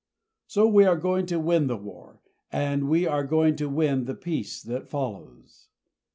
So we are going to win the war and we are going to win the peace that follows.